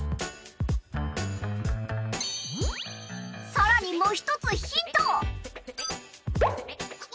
さらにもうひとつヒント！